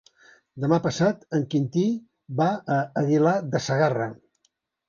Demà passat en Quintí va a Aguilar de Segarra.